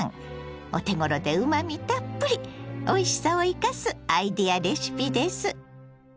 お手ごろでうまみたっぷりおいしさを生かすアイデアレシピです。